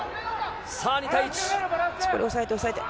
２対１。